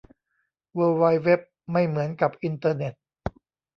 เวิล์ดไวด์เว็บไม่เหมือนกับอินเทอร์เน็ต